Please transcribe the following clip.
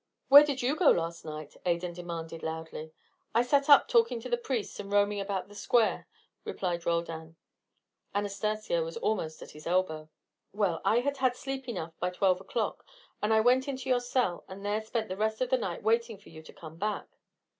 "Where did you go last night?" Adan demanded loudly. "I sat up talking to the priests and roaming about the square," replied Roldan. Anastacio was almost at his elbow. "Well, I had had sleep enough by twelve o'clock and I went into your cell, and then spent the rest of the night waiting for you to come back."